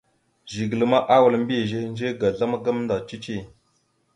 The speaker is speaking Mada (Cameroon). Zigəla ma awal mbiyez ehədze ga azlam gamənda cici.